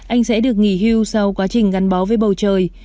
anh sẽ được nghỉ hưu sau quá trình gắn bó với bầu trời